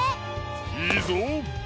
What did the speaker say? いいぞ！